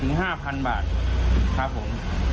มูลค่าประมาณ๔๕พันบาทครับผม